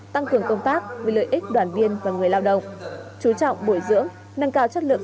tăng cường công tác vì lợi ích đoàn viên và người lao động chú trọng bồi dưỡng nâng cao chất lượng